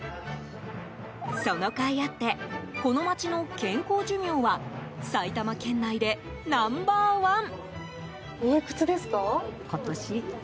そのかいあってこの町の健康寿命は埼玉県内でナンバーワン。